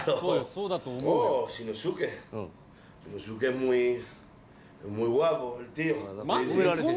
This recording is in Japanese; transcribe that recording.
そうだと思うよマジで？